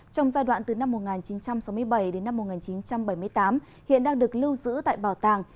trong giai đoạn từ năm một nghìn chín trăm sáu mươi bảy đến năm một nghìn chín trăm bảy mươi tám hiện đang được lưu giữ tại bảo tàng